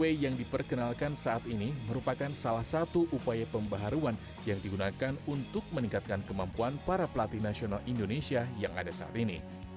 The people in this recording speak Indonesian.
kue yang diperkenalkan saat ini merupakan salah satu upaya pembaharuan yang digunakan untuk meningkatkan kemampuan para pelatih nasional indonesia yang ada saat ini